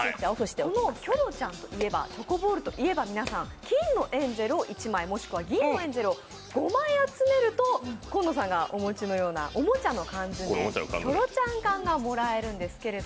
キョロちゃんといえばチョコボールといえば金のエンゼルを１枚、もしくは銀のエンゼルを５枚集めると、紺野さんがお持ちのようなおもちゃのカンヅメ、キョロちゃん缶がもらえるんです。